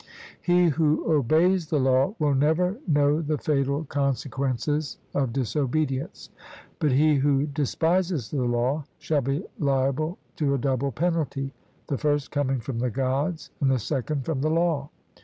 He who obeys the law will never know the fatal consequences of disobedience, but he who despises the law shall be liable to a double penalty, the first coming from the Gods, and the second from the law.